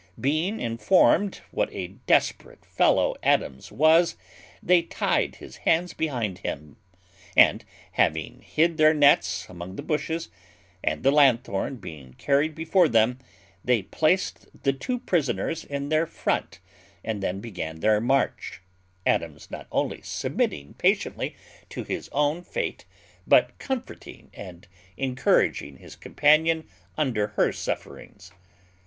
Being informed what a desperate fellow Adams was, they tied his hands behind him; and, having hid their nets among the bushes, and the lanthorn being carried before them, they placed the two prisoners in their front, and then began their march; Adams not only submitting patiently to his own fate, but comforting and encouraging his companion under her sufferings.